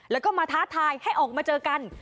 แล้วก็มาท้าทายให้ออกมาเจอกัน